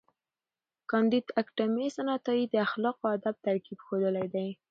کانديد اکاډميسن عطایي د اخلاقو او ادب ترکیب ښوولی دی.